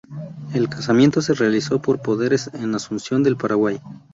El casamiento se realizó por poderes en Asunción del Paraguay.